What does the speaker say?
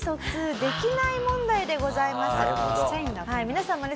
皆さんもね